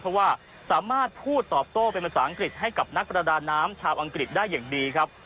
เพราะว่าสามารถพูดตอบโต้เป็นภาษาอังกฤษให้กับนักประดาน้ำชาวอังกฤษได้อย่างดีครับ